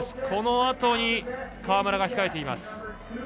このあとに川村が控えています。